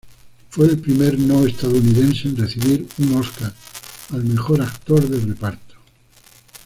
Fue el primer no estadounidense en recibir un Óscar al mejor actor de reparto.